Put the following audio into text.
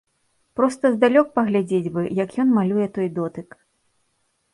Проста здалёк паглядзець бы, як ён малюе той дотык.